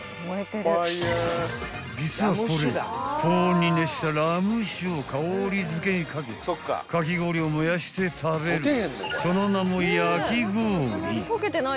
［実はこれ高温に熱したラム酒を香り付けに掛けかき氷を燃やして食べるその名も］